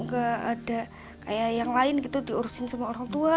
gak ada yang diurusin dengan orang tua